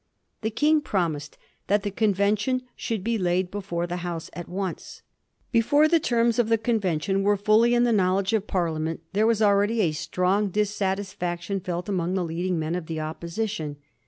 The King promised that the convention should be laid before the House at once. Before the terms of the convention were fully in the knowledge of Parliament, there was already a strong dis satisfaction felt among the leading men of the Opposition.